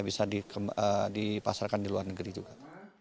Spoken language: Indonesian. bisa dipasarkan di luar negeri juga